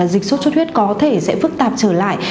dịch sốt xuất huyết có thể sẽ phức tạp trở lại